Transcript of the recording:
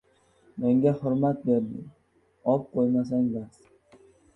Menga xurmat berding, ob qo‘ymasang bas